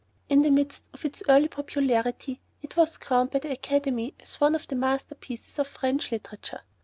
In the midst of its early popularity, it was crowned by the Academy as one of the masterpieces of French literature.